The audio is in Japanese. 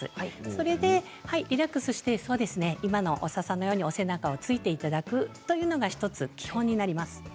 それでリラックスして今の大沢さんのようにお背中をつけていただくというのが１つ基本になります。